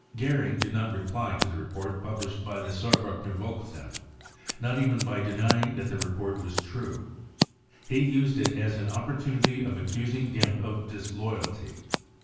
Goering did not reply to the report published by the Saarbriickener Volksstimme — not even by denying that the report was true. He used it as an opportunity of accusing Gempp of disloyalty.